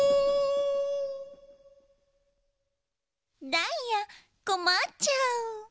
ダイヤこまっちゃう。